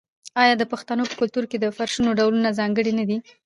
آیا د پښتنو په کلتور کې د فرشونو ډولونه ځانګړي نه دي؟